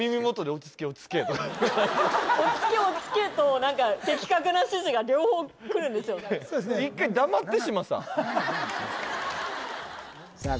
「落ち着け落ち着け」と的確な指示が両方くるんですよさあ